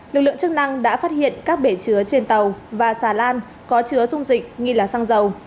lực lượng chức năng đã phát hiện các bể chứa trên tàu và xà lan có chứa dung dịch nghi là xăng dầu